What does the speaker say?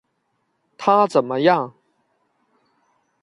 他怎么样？